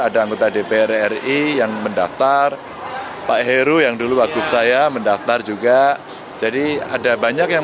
ada anggota dpr ri yang mendaftar pak heru yang dulu wagub saya mendaftar juga jadi ada banyak yang